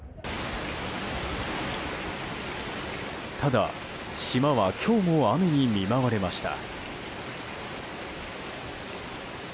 ただ、島は今日も雨に見舞われました。